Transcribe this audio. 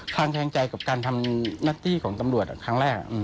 งแคลงใจกับการทำหน้าที่ของตำรวจครั้งแรก